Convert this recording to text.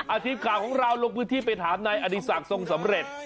อาทิตย์ก่อนของเราลงพื้นที่ไปถามนายอดิษัททรงสำเร็จ